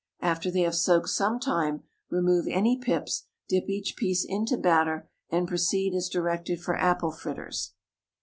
After they have soaked some time, remove any pips, dip each piece into hatter, and proceed as directed for apple fritters.